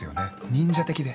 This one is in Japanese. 忍者的で。